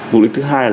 mục đích thứ hai là